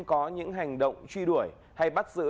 có những hành động truy đuổi hay bắt giữ